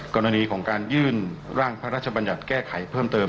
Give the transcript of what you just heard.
กรณีของการยื่นร่างพระราชบัญญัติแก้ไขเพิ่มเติม